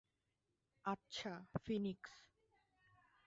আচ্ছা, ফিনিক্স।